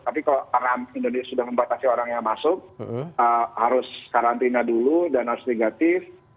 tapi karena indonesia sudah membatasi orang yang masuk harus karantina dulu dan harus negatif